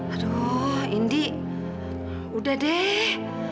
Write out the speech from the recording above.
aduh indi udah deh